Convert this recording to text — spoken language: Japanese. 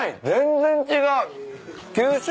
全然違う。